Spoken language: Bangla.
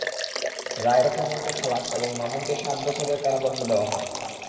রায়ে তারেক রহমানকে খালাস এবং মামুনকে সাত বছরের কারাদণ্ড দেওয়া হয়।